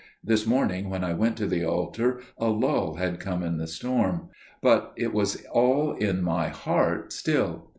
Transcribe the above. This morning when I went to the altar a lull had come in the storm. But it was all in my heart still.